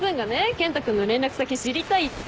健人君の連絡先知りたいって。